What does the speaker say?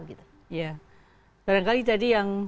iya barangkali tadi yang